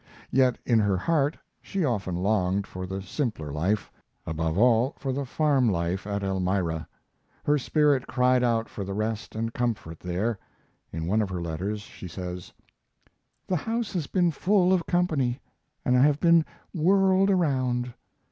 Yet in her heart she often longed for the simpler life above all, for the farm life at Elmira. Her spirit cried out for the rest and comfort there. In one of her letters she says: The house has been full of company, and I have been "whirled around."